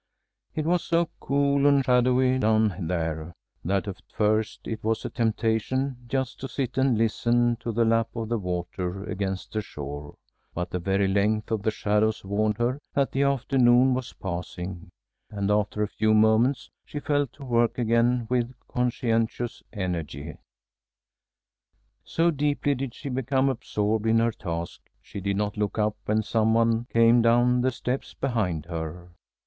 It was so cool and shadowy down there that at first it was a temptation just to sit and listen to the lap of the water against the shore, but the very length of the shadows warned her that the afternoon was passing, and after a few moments she fell to work again with conscientious energy. So deeply did she become absorbed in her task, she did not look up when some one came down the steps behind her.